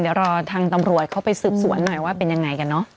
เดี๋ยวรอทางตำรวจเขาไปสืบสวนหน่อยว่าเป็นยังไงกันเนอะ